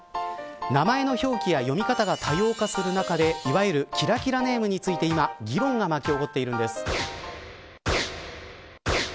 名前の表記や読み方が多様化する中でいわゆるキラキラネームについて今議論が巻き起こっているんです。